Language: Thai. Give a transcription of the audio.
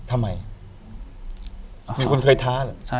อยู่ที่แม่ศรีวิรัยิลครับ